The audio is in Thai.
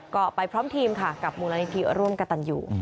ก็ไปพร้อมทีมค่ะกับมูลนิธิร่วมกับตันอยู่